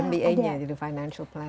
mba nya jadi financial planning